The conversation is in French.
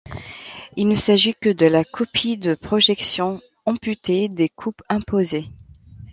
Il ne s'agit que de la copie de projection amputée des coupes imposées.